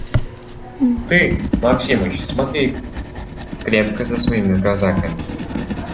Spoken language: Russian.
Ты, Максимыч, смотри крепко за своими казаками.